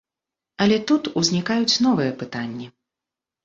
Але тут узнікаюць новыя пытанні.